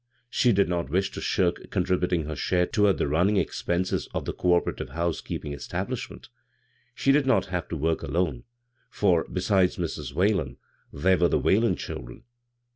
She did not wish to shirk contributing her share toward the running expenses of the coSperative house keeping establishment She did not have to work alone, for besides Mrs. Whalen there were the Wbalen children.